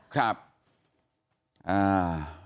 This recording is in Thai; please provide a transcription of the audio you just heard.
ครับอ่า